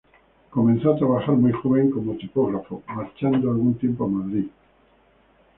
Comenzó a trabajar muy joven como tipógrafo, marchando algún tiempo a Madrid.